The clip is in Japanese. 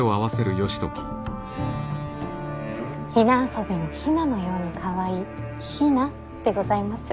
雛遊びの雛のようにかわいい比奈でございます。